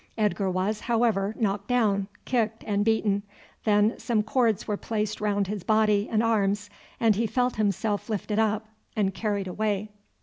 Edgar was, however, knocked down, kicked, and beaten, then some cords were placed round his body and arms, and he felt himself lifted up and carried away.